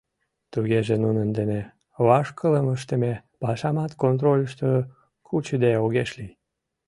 Тугеже нунын дене вашкылым ыштыме пашамат контрольышто кучыде огеш лий.